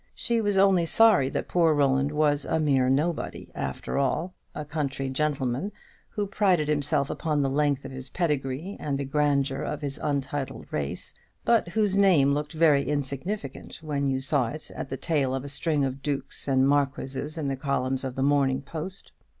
She was only sorry that poor Roland was a mere nobody, after all; a country gentleman, who prided himself upon the length of his pedigree and the grandeur of his untitled race; but whose name looked very insignificant when you saw it at the tail of a string of dukes and marquises in the columns of the "Morning Post."